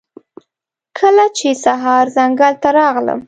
کله چې سهار ځنګل ته راغلم